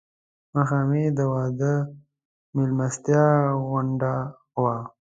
ماښامنۍ یې د واده مېلمستیا غوندې وه.